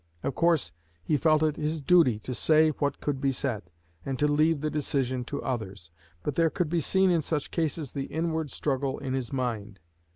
Of course, he felt it his duty to say what could be said, and to leave the decision to others; but there could be seen in such cases the inward struggle in his own mind.